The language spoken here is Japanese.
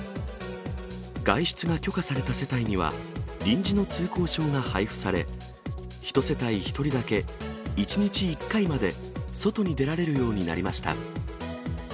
外出が許可された世帯には、臨時の通行証が配布され、１世帯１人だけ、１日１回まで、外に出られるようになりました。